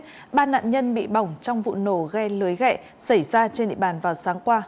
ba nạn nhân bị bỏng trong vụ nổ ghe lưới gẹ xảy ra trên địa bàn vào sáng qua